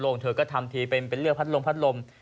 โล่งเธอก็ทำทีเป็นเรื่องพัดลม